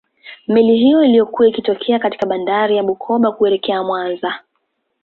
meli hiyo ilikuwa ikitokea katika bandari ya bukoba kuelekea mwanza